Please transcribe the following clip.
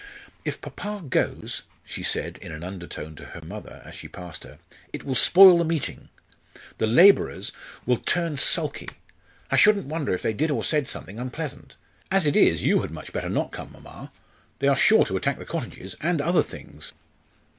"If papa goes," she said in an undertone to her mother as she passed her, "it will spoil the meeting. The labourers will turn sulky. I shouldn't wonder if they did or said something unpleasant. As it is, you had much better not come, mamma. They are sure to attack the cottages and other things."